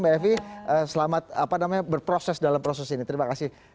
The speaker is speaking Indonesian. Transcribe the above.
terima kasih mba evi selamat berproses dalam proses ini terima kasih